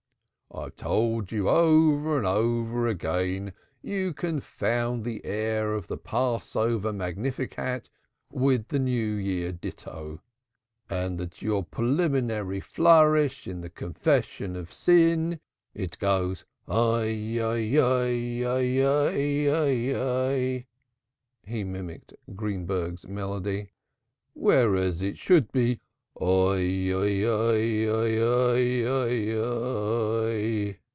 I have told you over and over again you confound the air of the Passover Yigdal with the New Year ditto. And then your preliminary flourish to the Confession of Sin it goes 'Ei, Ei, Ei, Ei, Ei, Ei, Ei'" (he mimicked Greenberg's melody) "whereas it should be 'Oi, Oi, Oi, Oi, Oi, Oi.'"